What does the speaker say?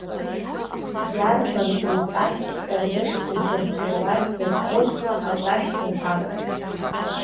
Иарбан уҳәан-сҳәаныз идырҿиауаз дазхәыцуа, агәашә дынҭалеит.